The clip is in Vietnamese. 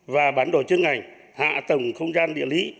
và bản đồ chương ngành hạ tầng không gian địa lý